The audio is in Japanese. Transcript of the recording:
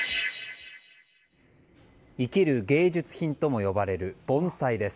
生ける芸術品とも呼ばれる盆栽です。